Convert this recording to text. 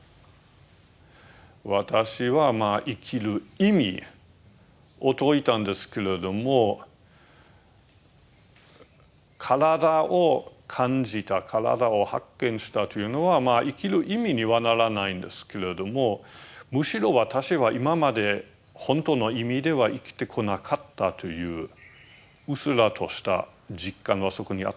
私は生きる意味を問いたんですけれども体を感じた体を発見したというのは生きる意味にはならないんですけれどもむしろ私は今まで本当の意味では生きてこなかったといううっすらとした実感がそこにあったと思いますね。